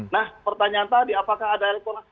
nah pertanyaan tadi apakah ada elektronik